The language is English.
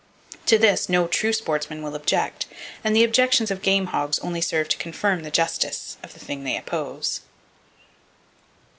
To this, no true sportsman will object, and the objections of game hogs only serve to confirm the justice of the thing they oppose.